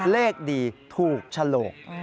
เลขดีถูกฉลก